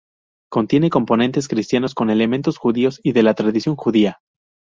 Contiene componentes cristianos con elementos judíos y de la tradición judía.